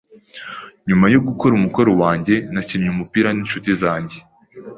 Nyuma yo gukora umukoro wanjye, nakinnye umupira ninshuti zanjye.